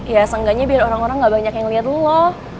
ya seenggaknya biar orang orang gak banyak yang liat lu loh